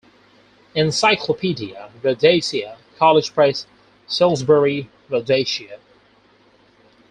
"Encyclopaedia Rhodesia", College Press, Salisbury, Rhodesia.